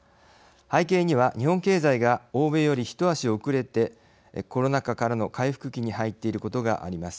背景には日本経済が欧米より一足遅れてコロナ禍からの回復期に入っていることがあります。